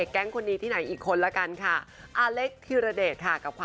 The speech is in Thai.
ไข่ตุ๋นมันเป็นนะค่ะว่าแน่นี่มากนะคะ